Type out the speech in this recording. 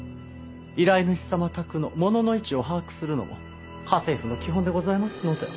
依頼主様宅の物の位置を把握するのは家政夫の基本でございますので。